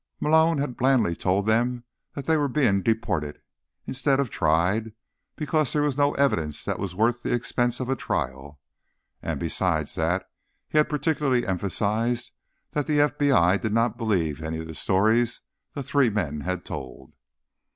Malone had blandly told them that they were being deported, instead of tried, because there was no evidence that was worth the expense of a trial. And, besides that, he had particularly emphasized that the FBI did not believe any of the stories the three men had told.